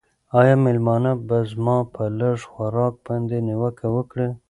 آیا مېلمانه به زما په لږ خوراک باندې نیوکه وکړي؟